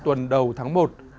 tuần đầu tháng một